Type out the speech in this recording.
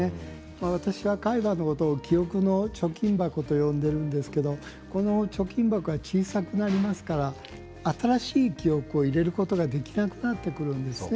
私は海馬のことを記憶の貯金箱と呼んでいるんですけどこの貯金箱が小さくなりますから新しい記憶を入れることができなくなってくるんですね。